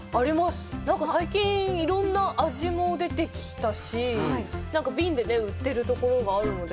なんか最近いろんな味も出てきたし、瓶で売ってるところもあるので。